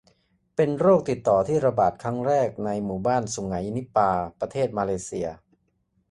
เป็นโรคติดต่อที่ระบาดครั้งแรกในหมู่บ้านสุไหงนิปาห์ ประเทศมาเลเซีย